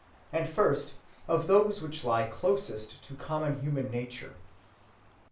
And first, of those which lie closest to common human nature.